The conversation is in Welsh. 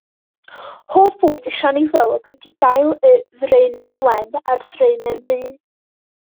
Hoff fwyd y siani flewog ydy dail y Ddraenen Wen a'r Ddraenen Ddu.